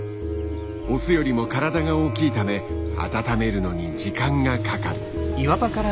オスよりも体が大きいため温めるのに時間がかかる。